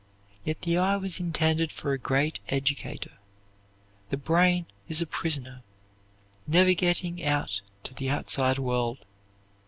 Yet the eye was intended for a great educator. The brain is a prisoner, never getting out to the outside world.